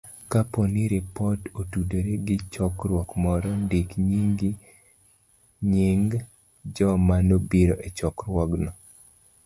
Kapo ni ripot otudore gi chokruok moro, ndik nying joma nobiro e chokruogno.